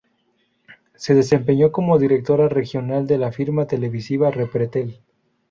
Se desempeñó como directora regional de la firma televisiva Repretel.